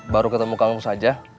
baru ketemu kang mus aja